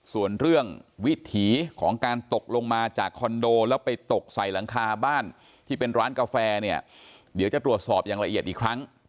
ส่วนเรื่องวิถีของการตกลงมาจากคอนโดแล้วไปตกใส่หลังคาบ้านที่เป็นร้านกาแฟเนี่ยเดี๋ยวจะตรวจสอบอย่างละเอียดอีกครั้ง